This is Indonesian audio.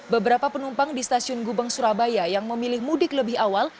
beberapa penumpang di stasiun gubeng surabaya yang memilih mudik lebih awal